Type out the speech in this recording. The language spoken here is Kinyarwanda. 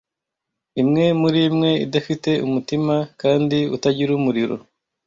imwe murimwe idafite umutima kandi utagira umuriro